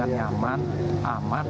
aman dan berhubungan dengan masyarakat